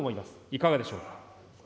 いかがでしょうか。